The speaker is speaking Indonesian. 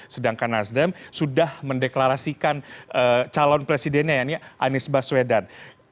sedangkan nasdem sudah mendeklarasikan calon presidennya yaitu anies baswedan